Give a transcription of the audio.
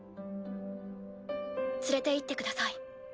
連れていってください